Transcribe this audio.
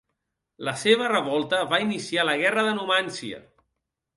La seva revolta va iniciar la guerra de Numància.